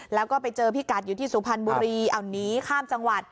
แล้วก็ไปเจอพี่กัดอยู่ที่สุพรรณบุรีเอาหนีข้ามจังหวัด